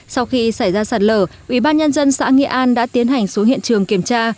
sau khi xảy ra sạt lở ubnd xã nghị an đã tiến hành xuống hiện trường kiểm tra